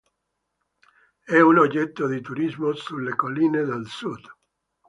È un oggetto di turismo sulle colline del sud.